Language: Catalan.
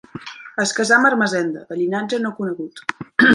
En casà amb Ermessenda, de llinatge no conegut.